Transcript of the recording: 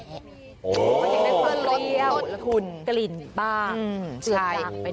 โอ้โฮเรียวต้นทุนกลิ่นบ้าใช่กลิ่นบ้าง